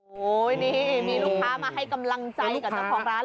โอ้โหนี่มีลูกค้ามาให้กำลังใจกับเจ้าของร้าน